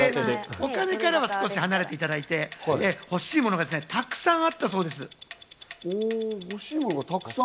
お金からは少し離れていただいて、欲しいものが沢山あったそうです。